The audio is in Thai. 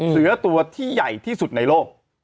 เสือตัวที่ใหญ่ที่สุดในโลก